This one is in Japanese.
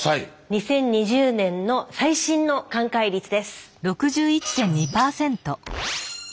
２０２０年の最新の寛解率です。